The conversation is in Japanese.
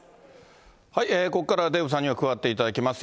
ここからはデーブさんに加わっていただきます。